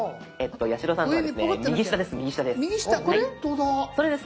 八代さんのはですね右下です。